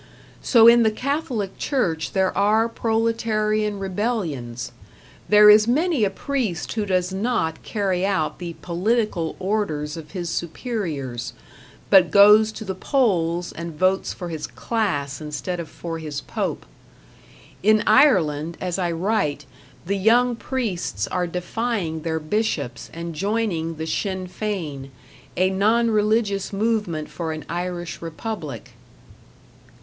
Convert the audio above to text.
So in the Catholic Church there are proletarian rebellions; there is many a priest who does not carry out the political orders of his superiors, but goes to the polls and votes for his class instead of for his pope. In Ireland, as I write, the young priests are defying their bishops and joining the Sinn Fein, a non religious movement for an Irish Republic.